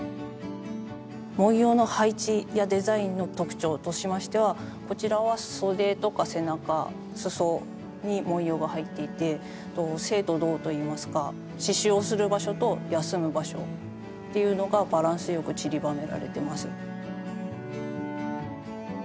文様の配置やデザインの特徴としましてはこちらは袖とか背中裾に文様が入っていて静と動といいますか刺しゅうをする場所と休む場所っていうのがバランスよくちりばめられてます。